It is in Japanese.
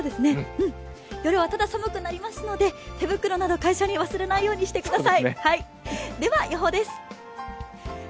夜は寒くなりますので手袋などを会社に忘れないようにしてください。